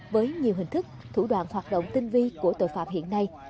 với nhiều hình thức thủ đoạn hoạt động tinh vi của tội phạm hiện nay